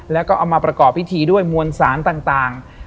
แล้วก็เอามาประกอบพิธีด้วยมวลสารต่าง